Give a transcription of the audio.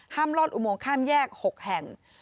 ห้ามรถอุโมงข้ามแยก๖แห่ง